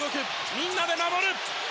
みんなで守る。